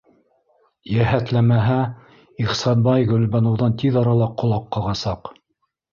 Йәһәтләмәһә, Ихсанбай Гөлбаныуҙан тиҙ арала ҡолаҡ ҡағасаҡ.